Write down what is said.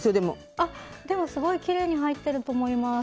でも、すごいきれいに入っていると思います。